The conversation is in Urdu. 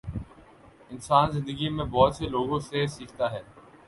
انسان زندگی میں بہت سے لوگوں سے سیکھتا ہے۔